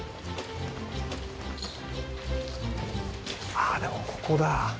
ああでもここだ。